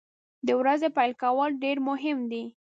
د ورځې پیل کول ډیر مهم دي.